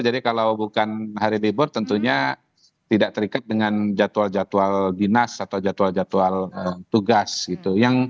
jadi kalau bukan hari libur tentunya tidak terikat dengan jadwal jadwal dinas atau jadwal jadwal tugas gitu